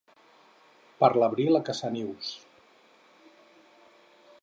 Per l'abril, a caçar nius.